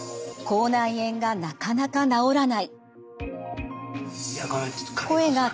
口内炎がなかなか治らない。